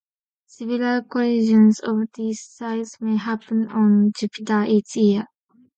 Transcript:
Several collisions of this size may happen on Jupiter each year.